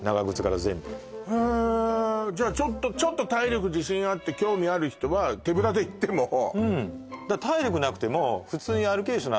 ちょっとちょっと体力自信あって興味ある人は手ぶらで行ってもうんだから体力なくてもホント？